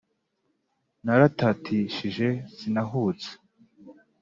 Naratatishije sinahubutse: